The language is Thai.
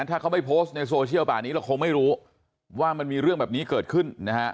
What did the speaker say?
ถ้าเขาไม่โพสต์ในโซเชียลป่านี้เราคงไม่รู้ว่ามันมีเรื่องแบบนี้เกิดขึ้นนะฮะ